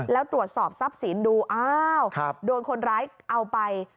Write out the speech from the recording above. แล้วตรวจสอบทรัพย์สินดูอ้าวโดนคนร้ายเอาไป